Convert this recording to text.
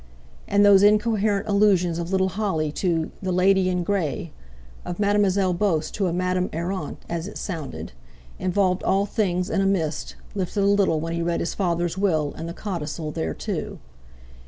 And those incoherent allusions of little Holly to "the lady in grey," of Mademoiselle Beauce to a Madame Errant (as it sounded) involved all things in a mist, lifted a little when he read his father's will and the codicil thereto.